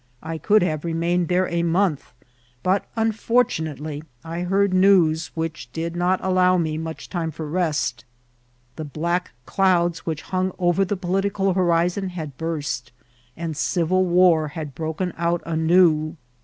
I oould have remained there a month ; but, uniDrtunately, I heard news which did not allow me much time Sor rest. The black douds which hung over the political horiaon had burst, and civil war had broken out anew.